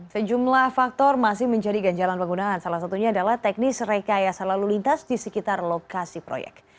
sejumlah faktor masih menjadi ganjalan penggunaan salah satunya adalah teknis rekayasa lalu lintas di sekitar lokasi proyek